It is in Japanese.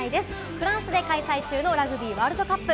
フランスで開催中のラグビーワールドカップ。